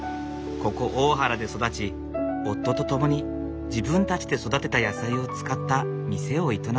ここ大原で育ち夫と共に自分たちで育てた野菜を使った店を営んでいる。